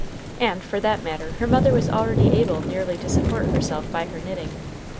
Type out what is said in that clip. And, for that matter her mother was already able nearly to support herself by her knitting.